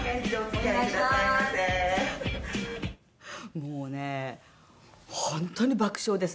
もうね本当に爆笑です。